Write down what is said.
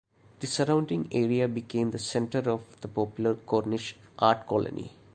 The surrounding area became the center of the popular Cornish Art Colony.